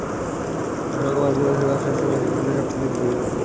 সড়কের পাশ দিয়ে স্কুলে আসা-যাওয়ার সময় শিক্ষার্থীরা সবচেয়ে বেশি দুর্ভোগ পোহাচ্ছে।